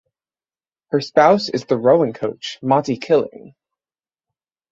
Her spouse is the rowing coach Matti Killing.